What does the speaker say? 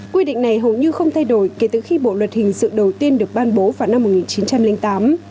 quy định này hầu như không thay đổi kể từ khi bộ luật hình sự đầu tiên được ban bố vào năm một nghìn chín trăm linh tám